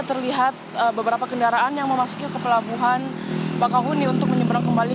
terlihat beberapa kendaraan yang memasuki pelabuhan bakauhoni untuk menyebrang kembali